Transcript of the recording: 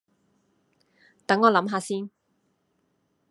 等我諗吓先